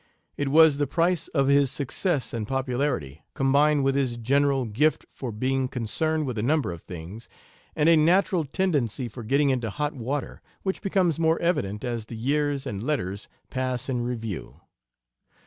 It was the price of his success and popularity, combined with his general gift for being concerned with a number of things, and a natural tendency for getting into hot water, which becomes more evident as the years and letters pass in review.